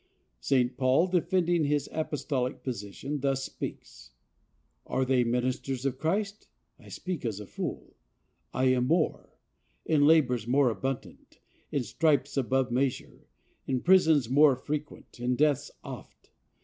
St. Paul, defending his apostolic position, thus speaks: "Are they ministers of Christ? (I speak as a fool) I am more; in labors more abundant, in stripes above measure, in prisons more frequent, in deaths oft.